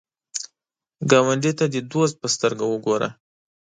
ګاونډي ته د دوست په سترګه وګوره